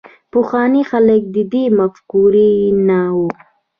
پخواني خلک د دې مفکورې نه وو.